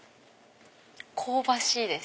香ばしいです